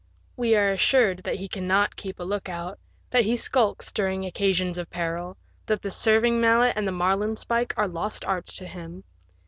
We are assured that he cannot keep a look out, that he skulks during occasions of peril, that the serving mallet and the marUnespike are lost arts to him.